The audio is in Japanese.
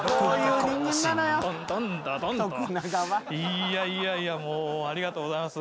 いやいやいやもうありがとうございます。